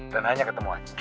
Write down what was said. dan hanya ketemu aja